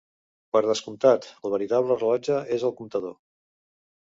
Per descomptat, el veritable rellotge és el comptador.